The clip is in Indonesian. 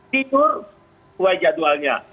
tidur kue jadwalnya